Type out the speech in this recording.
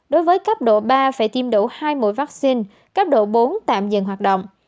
đối với cấp độ ba phải tiêm đủ hai mũi vaccine cấp độ bốn tạm dừng hoạt động